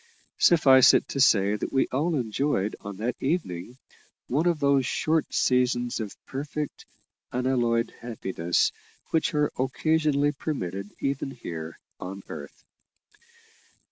Suffice it to say that we all enjoyed on that evening one of those short seasons of perfect, unalloyed happiness which are occasionally permitted even here on earth.